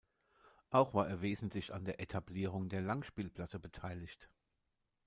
Auch war er wesentlich an der Etablierung der Langspielplatte beteiligt.